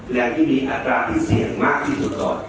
แหล่งที่มีอัตราที่เสี่ยงมากที่สุดก่อน